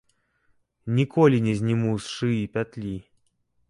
Ніколі не зніму з шыі пятлі.